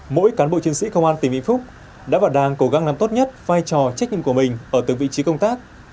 mỗi cán bộ chiến sĩ công an tỉnh vĩnh phúc đã và đang cố gắng làm tốt nhất vai trò trách nhiệm của mình ở từng vị trí công tác